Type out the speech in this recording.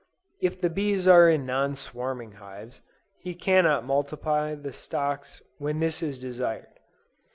If the bees are in non swarming hives, he cannot multiply the stocks when this is desired.